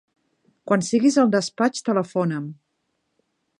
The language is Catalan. Quan siguis al despatx, telefona'm.